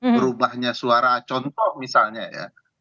berubahnya suara contoh misalnya ya